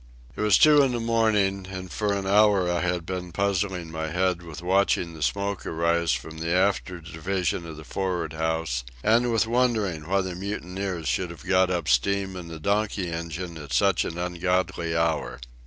It was two in the morning, and for an hour I had been puzzling my head with watching the smoke arise from the after division of the for'ard house and with wondering why the mutineers should have up steam in the donkey engine at such an ungodly hour.